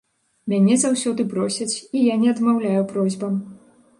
Мяне заўсёды просяць, і я не адмаўляю просьбам.